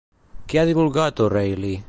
Què ha divulgat O'Reilly?